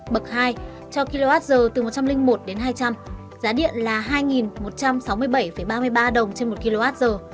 bậc hai cho kwh từ một trăm linh một đến hai trăm linh giá điện là hai một trăm sáu mươi bảy ba mươi ba đồng trên một kwh